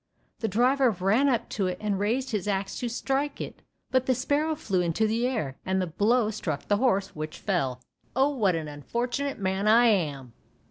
The driver ran up to it and raised his axe to strike, but the sparrow flew into the air and the blow struck the horse, which fell. "Oh, what an unfortunate man I am."